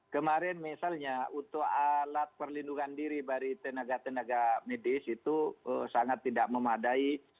kemarin misalnya untuk alat perlindungan diri dari tenaga tenaga medis itu sangat tidak memadai